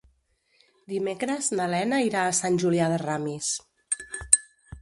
Dimecres na Lena irà a Sant Julià de Ramis.